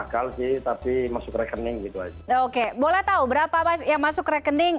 and child i tapi masuk rekening gitu oke boleh tahu berapa mas yang masuk rekening